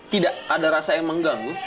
tidak ada rasa yang mengganggu